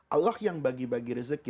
allah yang bagi bagi rezeki